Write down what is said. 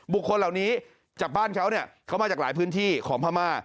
คนเหล่านี้จากบ้านเขาเนี่ยเขามาจากหลายพื้นที่ของพม่า